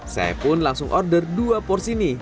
saya pun langsung order dua porsi mie